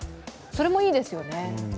それもいいですよね。